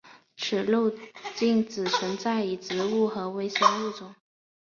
此路径只存在于植物和微生物中。